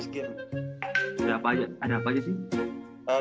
ada apa aja ada apa aja sih